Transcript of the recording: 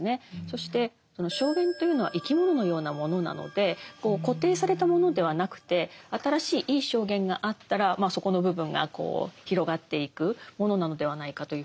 そして証言というのは生き物のようなものなので固定されたものではなくて新しいいい証言があったらそこの部分が広がっていくものなのではないかというふうに言っていたんですね。